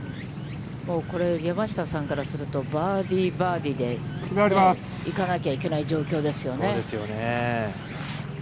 これ、山下さんからすると、バーディー、バーディーで行かなきゃいけない状況ですよね。